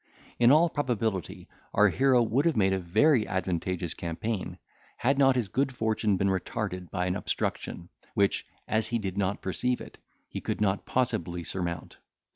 In all probability our hero would have made a very advantageous campaign, had not his good fortune been retarded by an obstruction, which, as he did not perceive it, he could not possibly surmount.